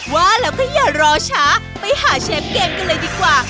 ว่าแล้วก็อย่ารอช้าไปหาเชฟเกมกันเลยดีกว่า